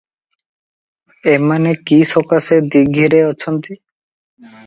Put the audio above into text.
ଏମାନେ କି ସକାଶେ ଦୀଘିରେ ଅଛନ୍ତି?